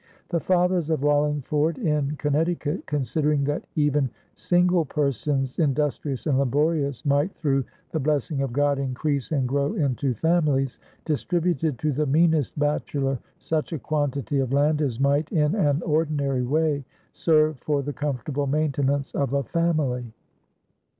The fathers of Wallingford in Connecticut, "considering that even single persons industrious and laborious might through the blessing of God increase and grow into families," distributed to the meanest bachelor "such a quantity of land as might in an ordinary way serve for the comfortable maintenance of a family."